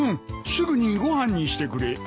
すぐにご飯にしてくれ。